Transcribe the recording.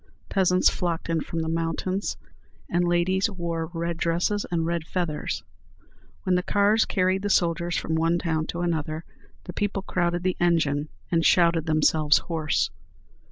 Peasants flocked in from the mountains, and ladies wore red dresses and red feathers. When the cars carried the soldiers from one town to another, the people crowded the engine, and shouted themselves hoarse.